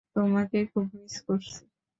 তোমাকে খুব মিস করছি।